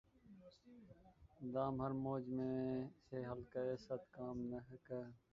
دام ہر موج میں ہے حلقۂ صد کام نہنگ